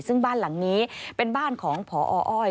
ซึ่งบ้านหลังนี้เป็นบ้านของพออ้อย